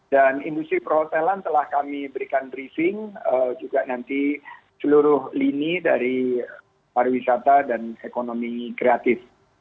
dan industri perhotelan telah kami berikan briefing juga nanti seluruh lini dari para wisata dan ekonomi kreatif